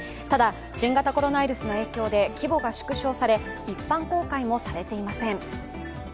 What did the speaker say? ただ、新型コロナウイルスの影響で規模が縮小され一般公開もされていません。